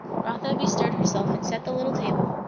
Rotha bestirred herself and set the little table.